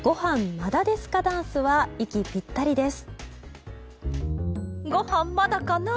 まだですかダンスは息ぴったりです。